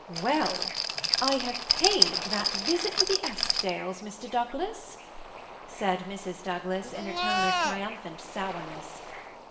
"Well, I have paid that visit to the Eskdales, Mr. Doujglas/' said Mrs. Douglas, in a tone of triumphant sourness.